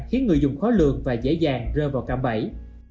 khiến người dùng khó lược và dễ dàng rơi vào cạm bẫy